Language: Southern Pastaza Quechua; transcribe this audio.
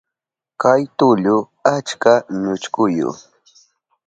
Kay tullu achka ñuchkuyu.